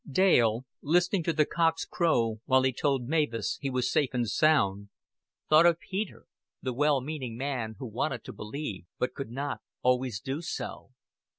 Dale, listening to the cock's crow while he told Mavis he was safe and sound, thought of Peter, the well meaning man who wanted to believe but could not always do so.